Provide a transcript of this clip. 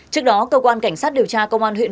trước đó cơ quan cảnh sát điều tra công an huyện